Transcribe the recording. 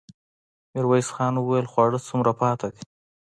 ميرويس خان وويل: خواړه څومره پاتې دي؟